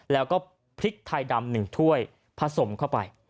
แล้วก็พริกไทยดำ๑ถ้วยผสมเข้าไป